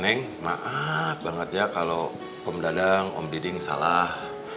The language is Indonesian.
ya enggak ada yang enak banget ya kalau om dadang om diding salah